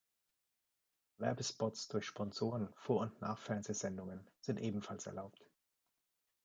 Werbespots durch Sponsoren vor und nach Fernsehsendungen sind ebenfalls erlaubt.